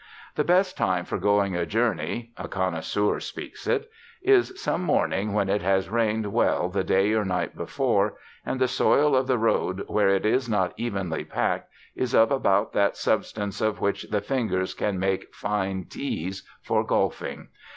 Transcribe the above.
The best time for going a journey (a connoisseur speaks it) is some morning when it has rained well the day or night before, and the soil of the road, where it is not evenly packed, is of about that substance of which the fingers can make fine "tees" for golfing.